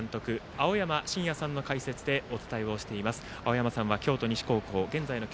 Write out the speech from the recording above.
青山眞也さんの解説でお伝えをしています。